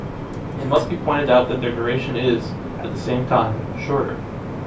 It must be pointed out that their duration is, at the same time, shorter.